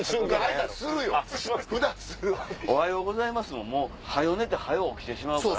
も早う寝て早う起きてしまうから。